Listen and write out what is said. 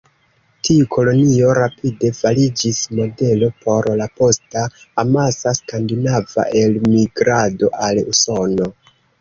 Tiu kolonio rapide fariĝis modelo por la posta, amasa skandinava elmigrado al Usono.